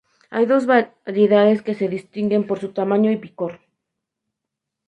Hay dos variedades que se distinguen por su tamaño y picor.